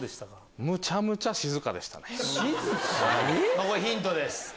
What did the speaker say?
これヒントです。